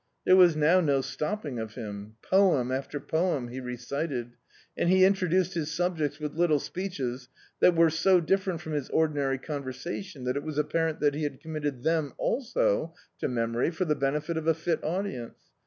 There was now no stopping of him; poem after poem he recited, and he introduced his subjects with little speeches that were so different from his ordinary con versation, that it was apparent that he had committed them also to memory for the benefit of a fit audience.